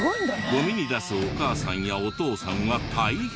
ゴミに出すお母さんやお父さんは大変。